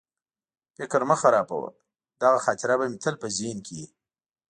فکر مه خرابوه، دغه خاطره به مې تل په ذهن کې وي.